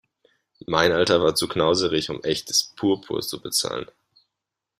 Mein Alter war zu knauserig, um echtes Purpur zu bezahlen.